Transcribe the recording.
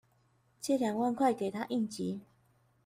借兩萬塊給她應急